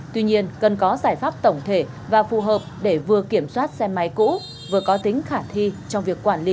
tuy nhiên cần có giải pháp tổng thể và phù hợp để vừa kiểm soát xe máy cũ vừa có tính khả thi trong việc quản lý